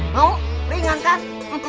mau ringan kan